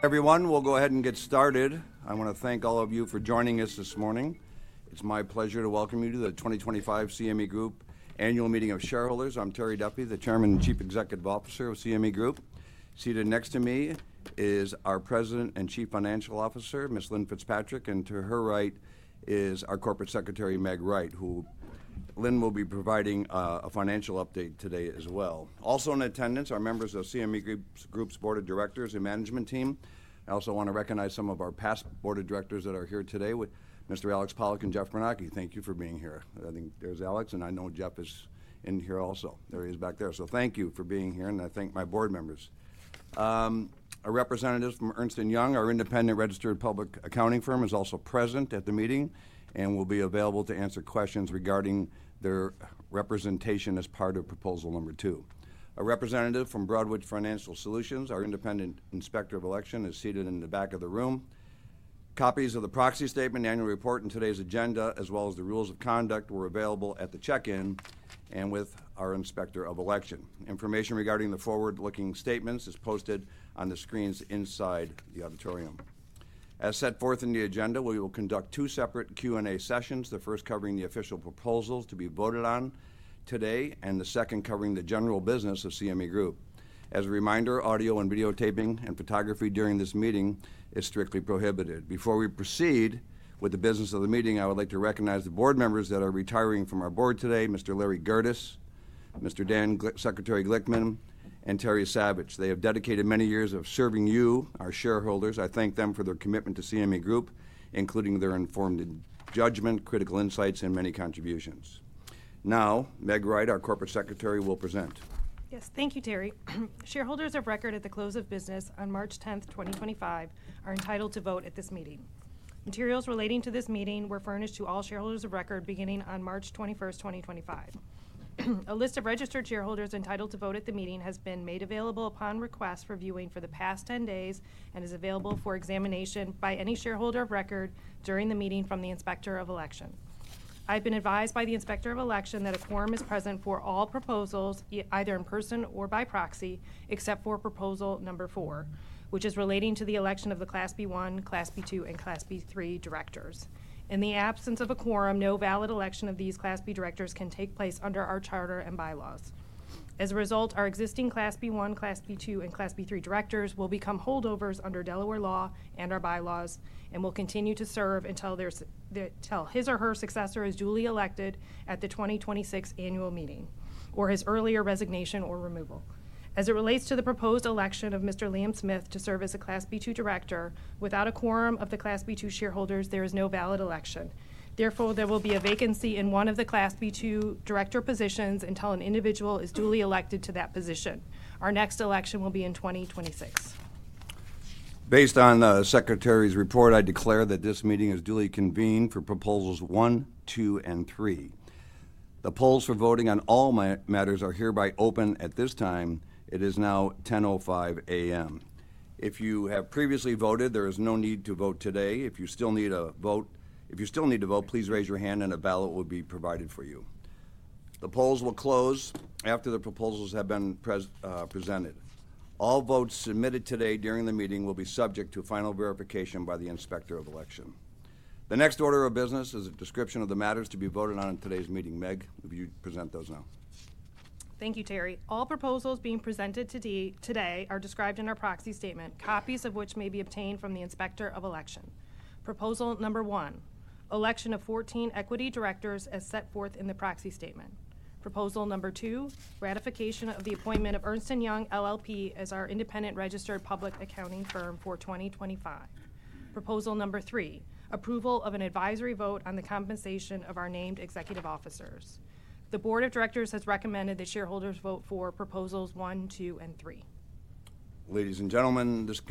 Everyone, we'll go ahead and get started. I want to thank all of you for joining us this morning. It's my pleasure to welcome you to the 2025 CME Group Annual Meeting of Shareholders. I'm Terry Duffy, the Chairman and Chief Executive Officer of CME Group. Seated next to me is our President and Chief Financial Officer, Ms. Lynne Fitzpatrick, and to her right is our Corporate Secretary, Meg Wright, who Lynne will be providing a financial update today as well. Also in attendance are members of CME Group's Board of Directors and management team. I also want to recognize some of our past Board of Directors that are here today, with Mr. Alex Pollock and Jeff Bernacchi. Thank you for being here. I think there's Alex, and I know Jeff is in here also. There he is back there. So thank you for being here, and I thank my board members. A representative from Ernst & Young, our independent registered public accounting firm, is also present at the meeting and will be available to answer questions regarding their representation as part of Proposal Number Two. A representative from Broadridge Financial Solutions, our independent inspector of election, is seated in the back of the room. Copies of the Proxy Statement, Annual Report, and today's agenda, as well as the Rules of Conduct, were available at the check-in and with our inspector of election. Information regarding the forward-looking statements is posted on the screens inside the auditorium. As set forth in the agenda, we will conduct two separate Q&A sessions, the first covering the official proposals to be voted on today and the second covering the general business of CME Group. As a reminder, audio and videotaping and photography during this meeting is strictly prohibited. Before we proceed with the business of the meeting, I would like to recognize the board members that are retiring from our board today: Mr. Larry Gerdes, Mr. Dan Glickman, and Terry Savage. They have dedicated many years of serving you, our shareholders. I thank them for their commitment to CME Group, including their informed judgment, critical insights, and many contributions. Now, Meg Wright, our Corporate Secretary, will present. Yes, thank you, Terry. Shareholders of record at the close of business on March 10, 2025, are entitled to vote at this meeting. Materials relating to this meeting were furnished to all shareholders of record beginning on March 21, 2025. A list of registered shareholders entitled to vote at the meeting has been made available upon request for viewing for the past 10 days and is available for examination by any shareholder of record during the meeting from the inspector of election. I've been advised by the inspector of election that a quorum is present for all proposals, either in person or by proxy, except for Proposal Number Four, which is relating to the election of the Class B1, Class B2, and Class B3 directors. In the absence of a quorum, no valid election of these Class B directors can take place under our charter and bylaws. As a result, our existing Class B1, Class B2, and Class B3 directors will become holdovers under Delaware law and our bylaws and will continue to serve until his or her successor is duly elected at the 2026 Annual Meeting or his earlier resignation or removal. As it relates to the proposed election of Mr. William Smith to serve as a Class B2 director, without a quorum of the Class B2 shareholders, there is no valid election. Therefore, there will be a vacancy in one of the Class B2 director positions until an individual is duly elected to that position. Our next election will be in 2026. Based on the Secretary's report, I declare that this meeting is duly convened for Proposals One, Two, and Three. The polls for voting on all matters are hereby open at this time. It is now 10:05 A.M. If you have previously voted, there is no need to vote today. If you still need to vote, please raise your hand and a ballot will be provided for you. The polls will close after the proposals have been presented. All votes submitted today during the meeting will be subject to final verification by the inspector of election. The next order of business is a description of the matters to be voted on at today's meeting. Meg, will you present those now? Thank you, Terry. All proposals being presented today are described in our Proxy Statement, copies of which may be obtained from the inspector of election. Proposal Number One: Election of 14 equity directors as set forth in the Proxy Statement. Proposal Number Two: Ratification of the appointment of Ernst & Young LLP as our independent registered public accounting firm for 2025. Proposal Number Three: Approval of an advisory vote on the compensation of our named executive officers. The Board of Directors has recommended that shareholders vote for Proposals One, Two, and Three. Ladies and gentlemen, this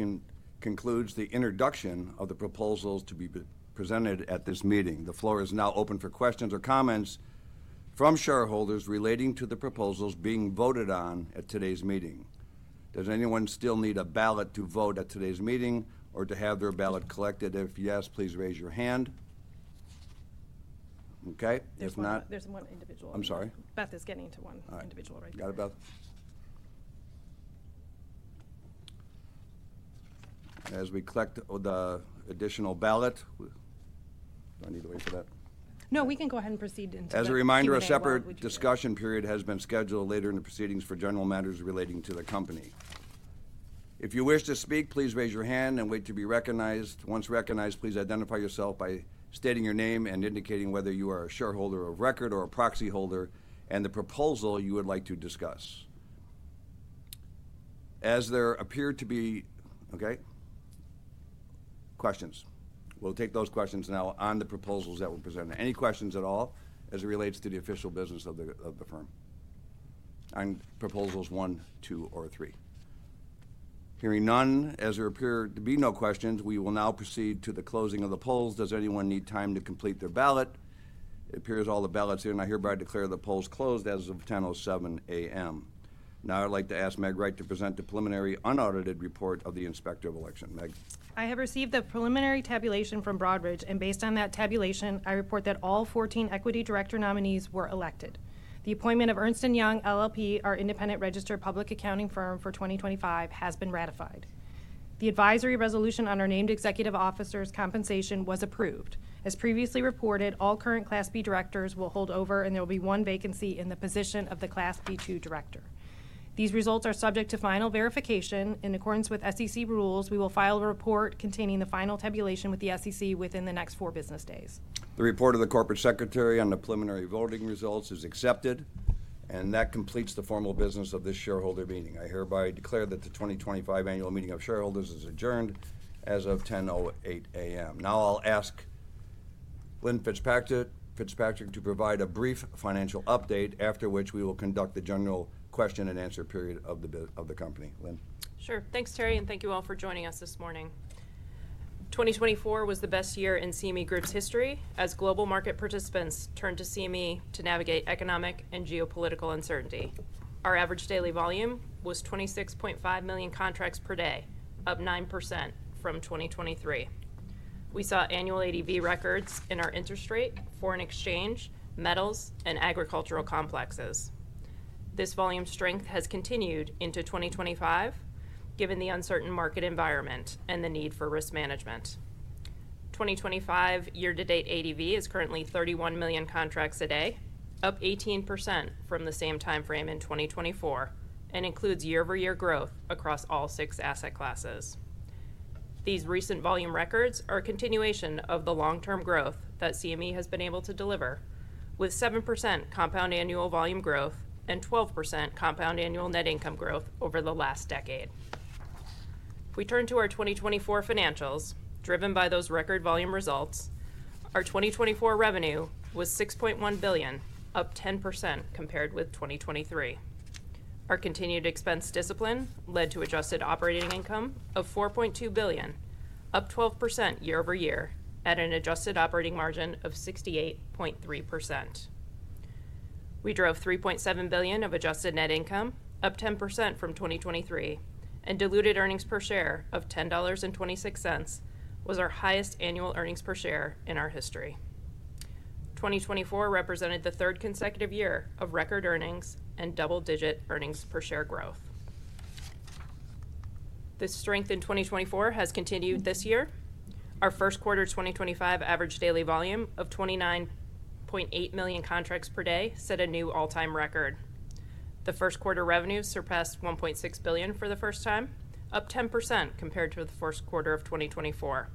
concludes the introduction of the proposals to be presented at this meeting. The floor is now open for questions or comments from shareholders relating to the proposals being voted on at today's meeting. Does anyone still need a ballot to vote at today's meeting or to have their ballot collected? If yes, please raise your hand. Okay. If not. There's one individual. I'm sorry? Beth is getting into one individual right now. Got it, Beth. As we collect the additional ballot, do I need to wait for that? No, we can go ahead and proceed into that. As a reminder, a separate discussion period has been scheduled later in the proceedings for general matters relating to the company. If you wish to speak, please raise your hand and wait to be recognized. Once recognized, please identify yourself by stating your name and indicating whether you are a shareholder of record or a proxy holder and the proposal you would like to discuss. Okay. Questions. We'll take those questions now on the proposals that were presented. Any questions at all as it relates to the official business of the firm on Proposals One, Two, or Three? Hearing none, as there appear to be no questions, we will now proceed to the closing of the polls. Does anyone need time to complete their ballot? It appears all the ballots here, and I hereby declare the polls closed as of 10:07 A.M. Now, I'd like to ask Meg Wright to present the preliminary unaudited report of the inspector of election. Meg. I have received the preliminary tabulation from Broadridge, and based on that tabulation, I report that all 14 equity director nominees were elected. The appointment of Ernst & Young, LLP, our independent registered public accounting firm for 2025, has been ratified. The advisory resolution on our named executive officers' compensation was approved. As previously reported, all current Class B directors will hold over, and there will be one vacancy in the position of the Class B2 director. These results are subject to final verification. In accordance with SEC rules, we will file a report containing the final tabulation with the SEC within the next four business days. The report of the Corporate Secretary on the preliminary voting results is accepted, and that completes the formal business of this shareholder meeting. I hereby declare that the 2025 Annual Meeting of Shareholders is adjourned as of 10:08 A.M. Now, I'll ask Lynne Fitzpatrick to provide a brief financial update, after which we will conduct the general question-and-answer period of the company. Lynne. Sure. Thanks, Terry, and thank you all for joining us this morning. 2024 was the best year in CME Group's history as global market participants turned to CME to navigate economic and geopolitical uncertainty. Our average daily volume was 26.5 million contracts per day, up 9% from 2023. We saw annual ADV records in our interest rate, foreign exchange, metals, and agricultural complexes. This volume strength has continued into 2025, given the uncertain market environment and the need for risk management. 2025 year-to-date ADV is currently 31 million contracts a day, up 18% from the same time frame in 2024, and includes year-over-year growth across all six asset classes. These recent volume records are a continuation of the long-term growth that CME has been able to deliver, with 7% compound annual volume growth and 12% compound annual net income growth over the last decade. We turn to our 2024 financials. Driven by those record volume results, our 2024 revenue was $6.1 billion, up 10% compared with 2023. Our continued expense discipline led to adjusted operating income of $4.2 billion, up 12% year-over-year, at an adjusted operating margin of 68.3%. We drove $3.7 billion of adjusted net income, up 10% from 2023, and diluted earnings per share of $10.26 was our highest annual earnings per share in our history. 2024 represented the third consecutive year of record earnings and double-digit earnings per share growth. This strength in 2024 has continued this year. Our first quarter 2025 average daily volume of 29.8 million contracts per day set a new all-time record. The first quarter revenue surpassed $1.6 billion for the first time, up 10% compared to the first quarter of 2024.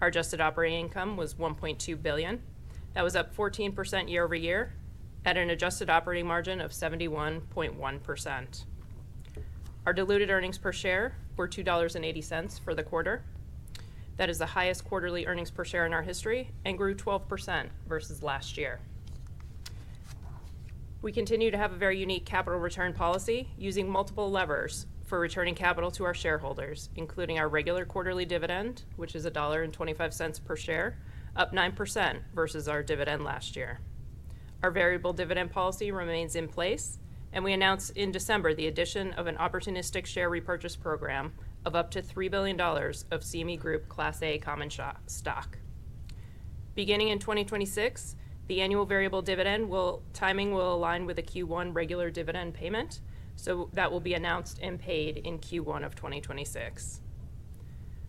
Our adjusted operating income was $1.2 billion. That was up 14% year-over-year at an adjusted operating margin of 71.1%. Our diluted earnings per share were $2.80 for the quarter. That is the highest quarterly earnings per share in our history and grew 12% versus last year. We continue to have a very unique capital return policy using multiple levers for returning capital to our shareholders, including our regular quarterly dividend, which is $1.25 per share, up 9% versus our dividend last year. Our variable dividend policy remains in place, and we announced in December the addition of an Opportunistic Share Repurchase Program of up to $3 billion of CME Group Class A Common Stock. Beginning in 2026, the annual variable dividend timing will align with a Q1 regular dividend payment, so that will be announced and paid in Q1 of 2026.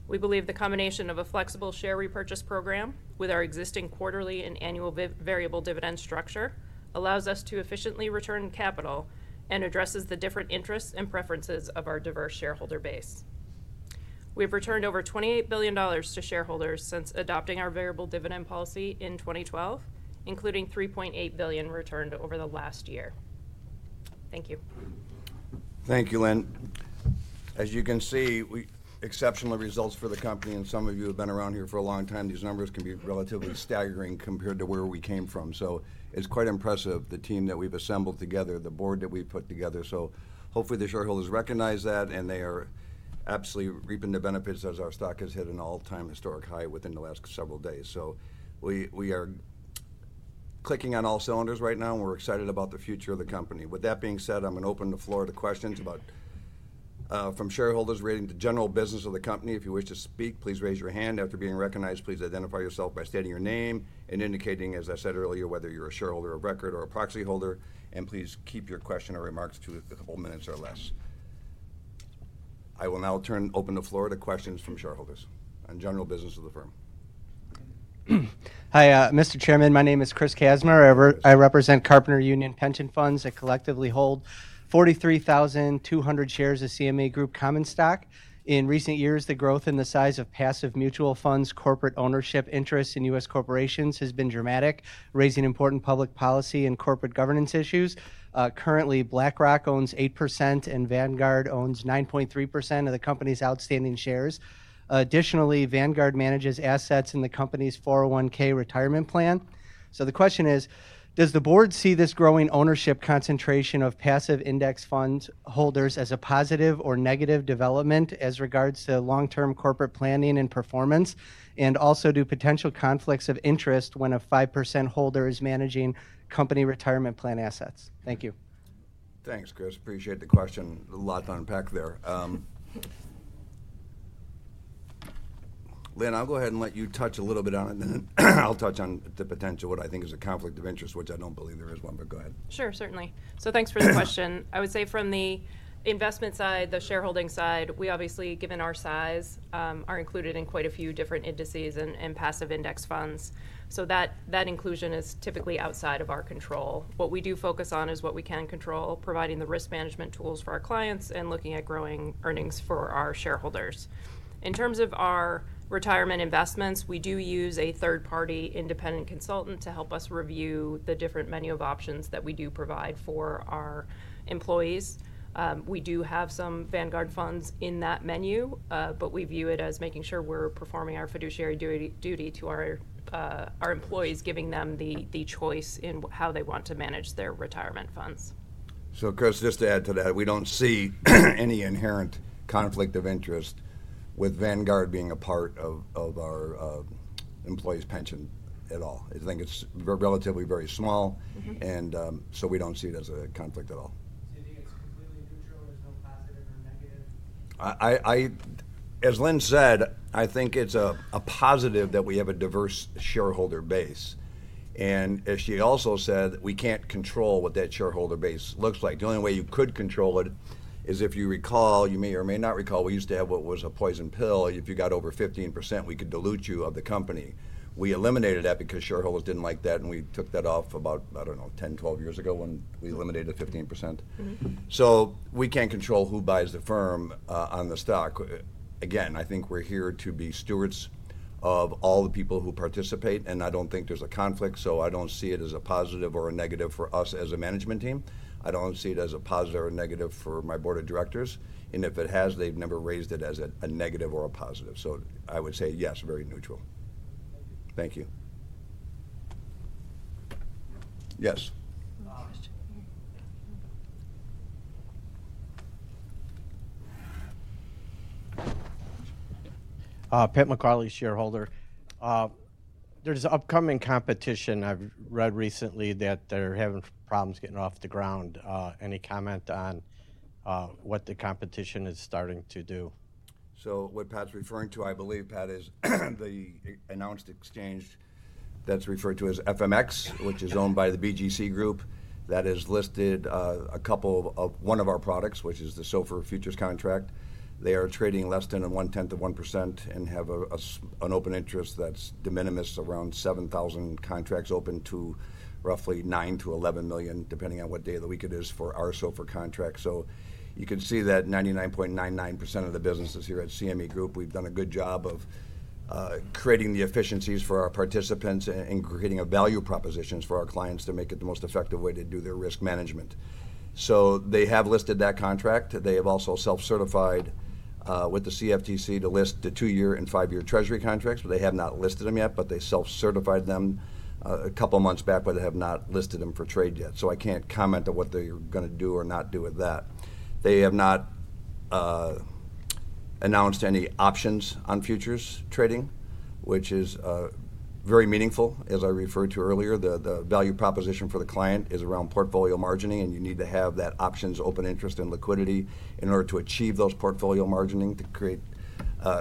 We believe the combination of a flexible share repurchase program with our existing quarterly and annual variable dividend structure allows us to efficiently return capital and addresses the different interests and preferences of our diverse shareholder base. We have returned over $28 billion to shareholders since adopting our variable dividend policy in 2012, including $3.8 billion returned over the last year. Thank you. Thank you, Lynne. As you can see, exceptional results for the company, and some of you have been around here for a long time. These numbers can be relatively staggering compared to where we came from. So it's quite impressive, the team that we've assembled together, the board that we've put together. So hopefully the shareholders recognize that, and they are absolutely reaping the benefits as our stock has hit an all-time historic high within the last several days. So we are clicking on all cylinders right now, and we're excited about the future of the company. With that being said, I'm going to open the floor to questions from shareholders relating to the general business of the company. If you wish to speak, please raise your hand. After being recognized, please identify yourself by stating your name and indicating, as I said earlier, whether you're a shareholder of record or a proxy holder, and please keep your question or remarks to a couple of minutes or less. I will now open the floor to questions from shareholders on general business of the firm. Hi, Mr. Chairman. My name is Chris Kasmer. I represent Carpenters Union Pension Funds. I collectively hold 43,200 shares of CME Group Common Stock. In recent years, the growth in the size of passive mutual funds, corporate ownership interests, and U.S. corporations has been dramatic, raising important public policy and corporate governance issues. Currently, BlackRock owns 8%, and Vanguard owns 9.3% of the company's outstanding shares. Additionally, Vanguard manages assets in the company's 401(k) retirement plan. So the question is, does the board see this growing ownership concentration of passive index fund holders as a positive or negative development as regards to long-term corporate planning and performance, and also do potential conflicts of interest when a 5% holder is managing company retirement plan assets? Thank you. Thanks, Chris. Appreciate the question. A lot to unpack there. Lynne, I'll go ahead and let you touch a little bit on it, and then I'll touch on the potential, what I think is a conflict of interest, which I don't believe there is one, but go ahead. Sure, certainly. So thanks for the question. I would say from the investment side, the shareholding side, we obviously, given our size, are included in quite a few different indices and passive index funds. So that inclusion is typically outside of our control. What we do focus on is what we can control, providing the risk management tools for our clients and looking at growing earnings for our shareholders. In terms of our retirement investments, we do use a third-party independent consultant to help us review the different menu of options that we do provide for our employees. We do have some Vanguard funds in that menu, but we view it as making sure we're performing our fiduciary duty to our employees, giving them the choice in how they want to manage their retirement funds. So, Chris, just to add to that, we don't see any inherent conflict of interest with Vanguard being a part of our employees' pension at all. I think it's relatively very small, and so we don't see it as a conflict at all. Do you think it's completely neutral? There's no positive or negative? As Lynne said, I think it's a positive that we have a diverse shareholder base. And as she also said, we can't control what that shareholder base looks like. The only way you could control it is if you recall, you may or may not recall, we used to have what was a poison pill. If you got over 15%, we could dilute you of the company. We eliminated that because shareholders didn't like that, and we took that off about, I don't know, 10-12 years ago when we eliminated 15%. So we can't control who buys the firm on the stock. Again, I think we're here to be stewards of all the people who participate, and I don't think there's a conflict. So I don't see it as a positive or a negative for us as a management team. I don't see it as a positive or negative for my board of directors, and if it has, they've never raised it as a negative or a positive, so I would say yes, very neutral. Thank you. Yes. McCarthy, shareholder, there's upcoming competition. I've read recently that they're having problems getting off the ground. Any comment on what the competition is starting to do? So what Pat's referring to, I believe, is the announced exchange that's referred to as FMX, which is owned by the BGC Group that has listed a couple, one of our products, which is the SOFR Futures contract. They are trading less than 1/10 of 1% and have an open interest that's de minimis around 7,000 contracts to roughly 9 million-11 million, depending on what day of the week it is for our SOFR contract. So you can see that 99.99% of the businesses here at CME Group, we've done a good job of creating the efficiencies for our participants and creating value propositions for our clients to make it the most effective way to do their risk management. So they have listed that contract. They have also self-certified with the CFTC to list the two-year and five-year Treasury contracts. They have not listed them yet, but they self-certified them a couple of months back, but they have not listed them for trade yet, so I can't comment on what they're going to do or not do with that. They have not announced any options on futures trading, which is very meaningful. As I referred to earlier, the value proposition for the client is around portfolio margining, and you need to have that options, open interest, and liquidity in order to achieve those portfolio margining.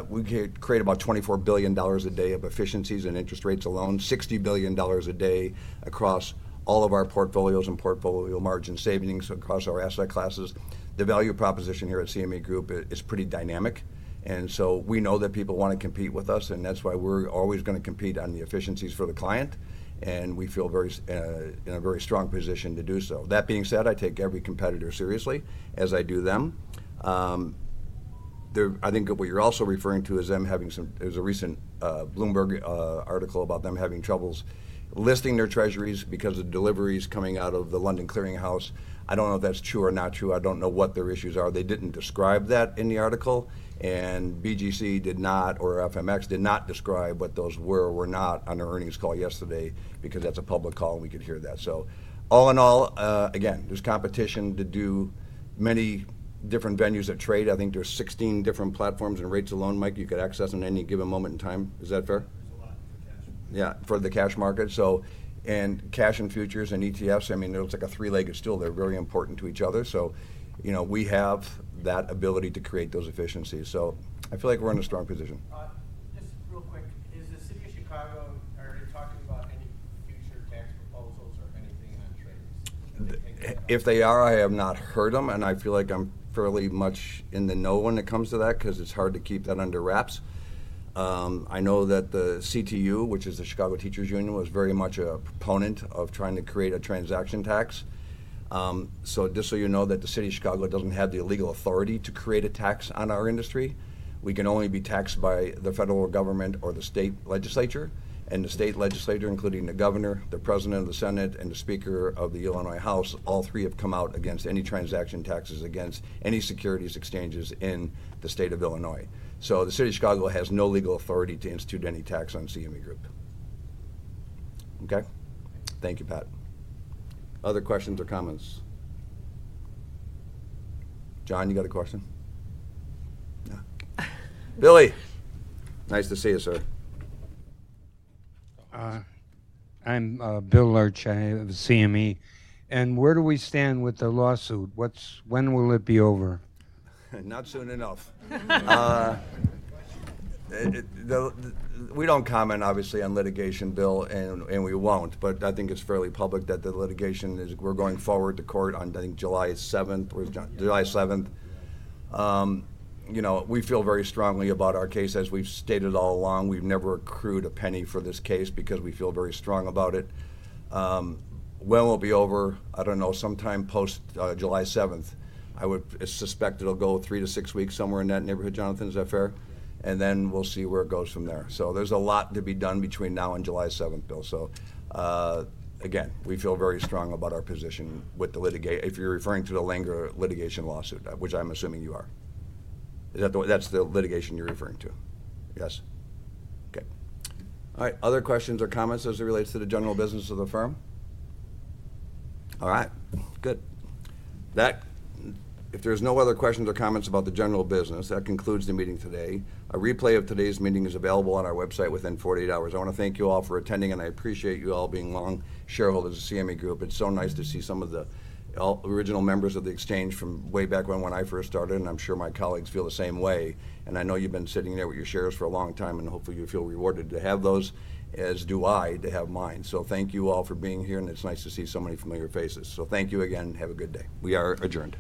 We create about $24 billion a day of efficiencies in interest rates alone, $60 billion a day across all of our portfolios and portfolio margin savings across our asset classes. The value proposition here at CME Group is pretty dynamic, and so we know that people want to compete with us, and that's why we're always going to compete on the efficiencies for the client. And we feel in a very strong position to do so. That being said, I take every competitor seriously as I do them. I think what you're also referring to is them having some. There's a recent Bloomberg article about them having troubles listing their Treasuries because of deliveries coming out of the London Clearing House. I don't know if that's true or not true. I don't know what their issues are. They didn't describe that in the article, and BGC did not, or FMX did not describe what those were or were not on their earnings call yesterday because that's a public call, and we could hear that. So all in all, again, there's competition to do many different venues of trade. I think there's 16 different platforms and rates alone, Mike, you could access in any given moment in time. Is that fair? It's a lot for cash. Yeah, for the cash market. So cash and futures and ETFs, I mean, they're like a three-legged stool. They're very important to each other. So we have that ability to create those efficiencies. So I feel like we're in a strong position. Just real quick, is the City of Chicago already talking about any future tax proposals or anything on trades? If they are, I have not heard them, and I feel like I'm fairly much in the know when it comes to that because it's hard to keep that under wraps. I know that the CTU, which is the Chicago Teachers Union, was very much a proponent of trying to create a transaction tax. So just so you know, the City of Chicago doesn't have the legal authority to create a tax on our industry. We can only be taxed by the federal government or the state legislature, and the state legislature, including the governor, the president of the Senate, and the speaker of the Illinois House, all three have come out against any transaction taxes against any securities exchanges in the state of Illinois. So the City of Chicago has no legal authority to institute any tax on CME Group. Okay? Thank you, Pat. Other questions or comments? John, you got a question? Yeah. Billy, nice to see you, sir. I'm Bill Loesch. I have a CME. And where do we stand with the lawsuit? When will it be over? Not soon enough. We don't comment, obviously, on litigation, Bill, and we won't, but I think it's fairly public that the litigation is. We're going forward to court on, I think, July 7th. July 7th. We feel very strongly about our case, as we've stated all along. We've never accrued a penny for this case because we feel very strong about it. When will it be over? I don't know. Sometime post-July 7th. I would suspect it'll go three to six weeks, somewhere in that neighborhood, Jonathan. Is that fair? And then we'll see where it goes from there. So there's a lot to be done between now and July 7th, Bill. So again, we feel very strong about our position with the litigation. If you're referring to the Langer litigation lawsuit, which I'm assuming you are. That's the litigation you're referring to. Yes? Okay. All right. Other questions or comments as it relates to the general business of the firm? All right. Good. If there's no other questions or comments about the general business, that concludes the meeting today. A replay of today's meeting is available on our website within 48 hours. I want to thank you all for attending, and I appreciate you all being long shareholders of CME Group. It's so nice to see some of the original members of the exchange from way back when I first started, and I'm sure my colleagues feel the same way, and I know you've been sitting there with your shares for a long time, and hopefully you feel rewarded to have those, as do I to have mine, so thank you all for being here, and it's nice to see so many familiar faces, so thank you again. Have a good day. We are adjourned.